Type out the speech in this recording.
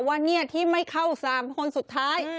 ว่าที่ไม่เข้า๓คนสุดท้าย